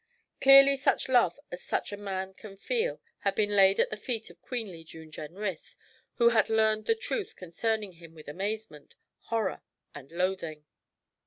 Clearly such love as such a man can feel had been laid at the feet of queenly June Jenrys, who had learned the truth concerning him with amazement, horror, and loathing.